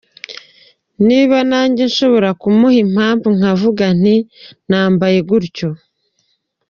Niba nanjye nshobora kumuha impamvu nkavuga nti nambaye gutyo.